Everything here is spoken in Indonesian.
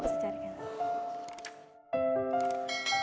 saya cari kak